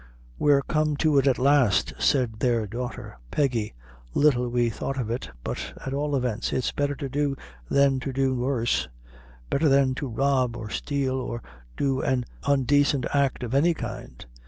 "We're come to it at last," said their daughter Peggy; "little we thought of it, but at all events, it's betther to do that than to do worse betther than to rob or steal, or do an ondaicent act of any kind.